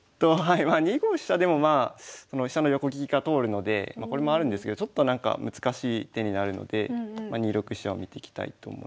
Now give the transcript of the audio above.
２五飛車でもまあ飛車の横利きが通るのでこれもあるんですけどちょっとなんか難しい手になるので２六飛車を見ていきたいと思います。